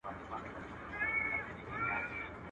له يوه لاسه ټک نه خېژي.